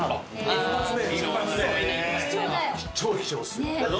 一発目。